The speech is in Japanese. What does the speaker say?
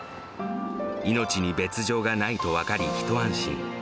命に別状がないと分かり、一安心。